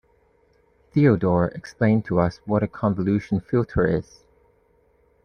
Theodore explained to us what a convolution filter is.